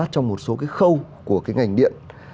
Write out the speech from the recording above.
trong một số cái khâu của cái ngành điện